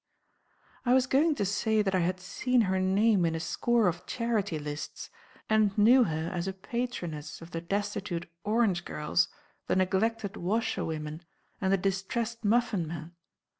... I was going to say that I had seen her name in a score of charity lists, and knew her as a patroness of the Destitute Orange Girls, the Neglected Washerwomen, and the Distressed Muffin Men.